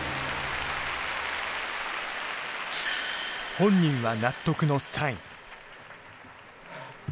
本人は納得の３位。